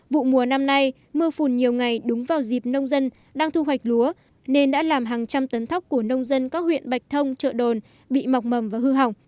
vụ mùa năm nay mưa phùn nhiều ngày đúng vào dịp nông dân đang thu hoạch lúa nên đã làm hàng trăm tấn thóc của nông dân các huyện bạch thông chợ đồn bị mọc mầm và hư hỏng